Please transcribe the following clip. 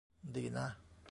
ดีนะ